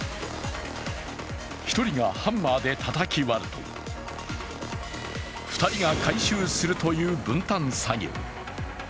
１人がハンマーでたたき割ると、２人が回収するという分担作業。